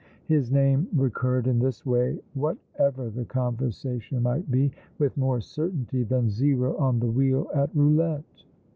His name recurred in this way, whatever the conversation might be, with more certainty than Zero on the wheel at roulette.